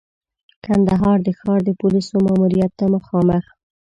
کندهار د ښار د پولیسو ماموریت ته مخامخ.